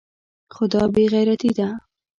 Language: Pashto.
خو دا بې غيرتي ده.